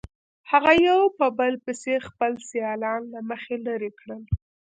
هغه یو په بل پسې خپل سیالان له مخې لرې کړل.